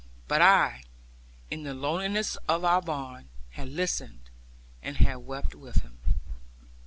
But I, in the loneliness of our barn, had listened, and had wept with him.